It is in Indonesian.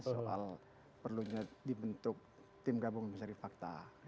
soal perlunya dibentuk tim gabungan pencari fakta